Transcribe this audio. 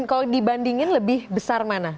kalau dibandingin lebih besar mana